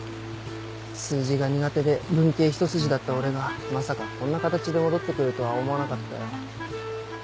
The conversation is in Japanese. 数字が苦手で文系ひと筋だった俺がまさかこんな形で戻ってくるとは思わなかったよ。